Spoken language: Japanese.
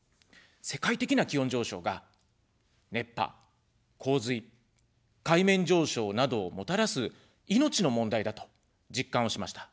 世界的な気温上昇が熱波、洪水、海面上昇などをもたらす命の問題だと実感をしました。